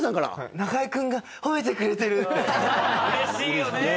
うれしいよね。